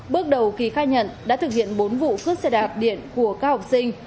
bước đầu kỳ khai nhận đã thực hiện bốn vụ cướp xe đạp điện của các học sinh